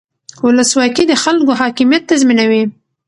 ولسواکي د خلکو حاکمیت تضمینوي